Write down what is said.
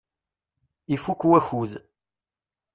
Ifukk wakud.